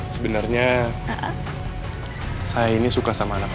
sebenarnya saya ini suka sama anak anak